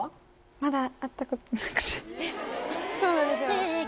まだ会ったことなくてそうなんですよ